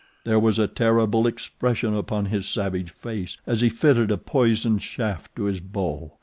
There was a terrible expression upon his savage face as he fitted a poisoned shaft to his bow.